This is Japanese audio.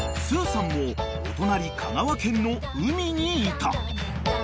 ［すーさんもお隣香川県の海にいた］